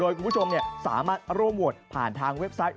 คุณผู้ชมสามารถร่วมโหวตผ่านทางเว็บไซต์